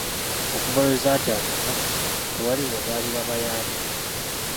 Okuva lwe zaatandika tewali lwe baali babayambye